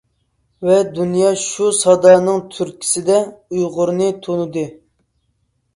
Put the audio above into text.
ۋە دۇنيا شۇ سادانىڭ تۈرتكىسىدە ئۇيغۇرنى تونۇدى .